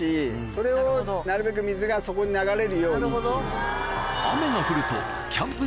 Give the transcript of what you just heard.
それをなるべく水がそこに流れるようにっていう。